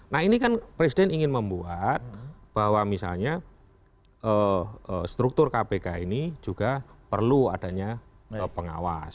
nah ini kan presiden ingin membuat bahwa misalnya struktur kpk ini juga perlu adanya pengawas